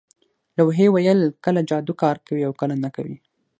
لوحې ویل کله جادو کار کوي او کله نه کوي